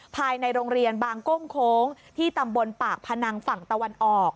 ภายในโรงเรียนบางก้งโค้งที่ตำบลปากพนังฝั่งตะวันออก